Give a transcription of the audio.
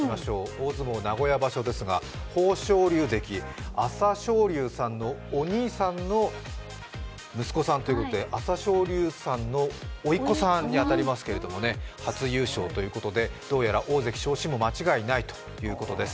大相撲名古屋場所ですが豊昇龍関、朝青龍さんのお兄さんの息子さんということで朝青龍さんのおいっ子さんに当たりますけれども初優勝ということでどうやら大関昇進も間違いないということです。